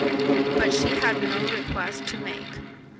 But she had no request to make.